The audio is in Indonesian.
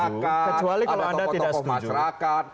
ada tokoh tokoh masyarakat